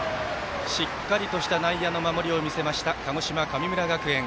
しっかりとした内野の守りを見せました鹿児島、神村学園。